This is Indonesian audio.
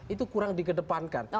itu kurang di kedepankan